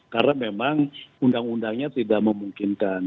karena memang undang undangnya tidak memungkinkan